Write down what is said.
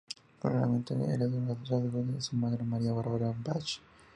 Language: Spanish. Probablemente heredó los rasgos de su madre María Bárbara Bach.